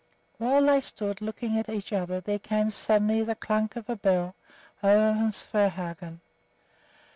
While they stood looking at each other there came suddenly the "klunk" of a bell over from Svehaugen.